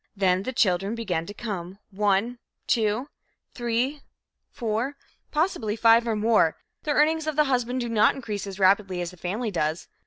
Then the children begin to come one, two, three, four, possibly five or more. The earnings of the husband do not increase as rapidly as the family does.